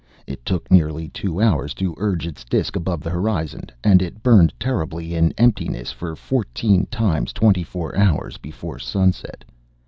It took nearly two hours to urge its disk above the horizon, and it burned terribly in emptiness for fourteen times twenty four hours before sunset.